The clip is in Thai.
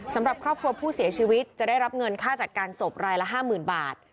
สำหรับครอบครัวผู้เสียชีวิตจะได้รับเงินค่าจัดการศพรายละ๕๐๐๐บาท